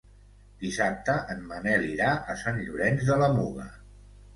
Dissabte en Manel irà a Sant Llorenç de la Muga.